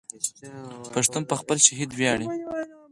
پښتون په خپل شهید ویاړي.